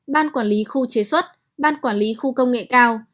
ban quản lý khu chế xuất ban quản lý khu công nghệ cao